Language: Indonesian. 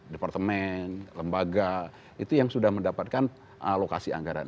departemen lembaga itu yang sudah mendapatkan alokasi anggaran